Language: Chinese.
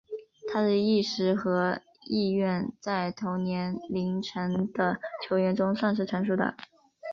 他的意识和意愿在同年龄层的球员中算是成熟的。